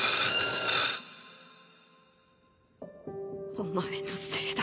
おまえのせいだ。